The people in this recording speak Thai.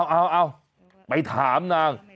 เอาไปถามนาง